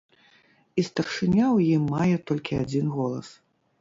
І старшыня ў ім мае толькі адзін голас.